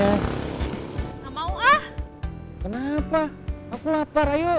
yang menjaga keamanan bapak reno